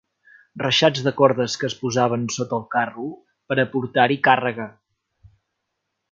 Reixats de cordes que es posaven sota el carro per a portar-hi càrrega.